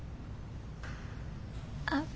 あ。